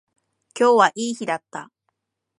今日はいい日だった